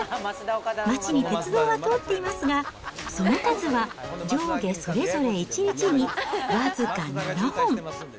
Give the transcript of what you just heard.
町に鉄道は通っていますが、その数は上下それぞれ１日に僅か７本。